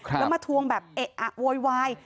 แล้วมาทวงแบบเอะอะโวยวาย